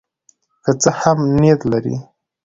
که څه هم ښه نیت لري.